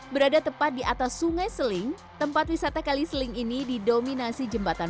berada tepat di atas sungai seling tempat wisata kali seling ini didominasi jembatan